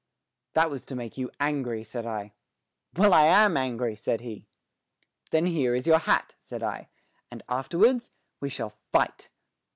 "That was to make you angry," said I. "Well, I am angry," said he. "Then here is your hat," said I, "and afterwards we shall fight."